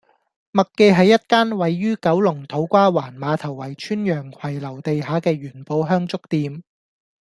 麥記係一間位於九龍土瓜灣馬頭圍邨洋葵樓地下嘅元寶香燭店